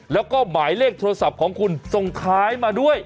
แล้วก็หมายเลขโทรศัพท์ของคุณส่งท้ายมาด้วย